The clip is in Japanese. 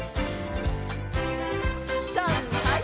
さんはい！